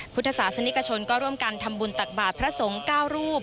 พุทธศาสนิกชนก็ร่วมกันทำบุญตักบาทพระสงฆ์๙รูป